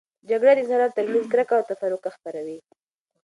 جګړه د انسانانو ترمنځ کرکه او تفرقه خپروي.